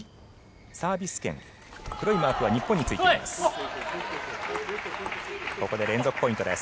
サービス権、黒いマークは日本についています。